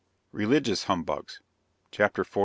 RELIGIOUS HUMBUGS. CHAPTER XLIV.